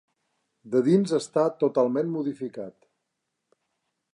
De dins està totalment modificat.